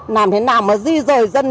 làm thế nào mà di rời dân